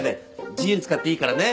自由に使っていいからね。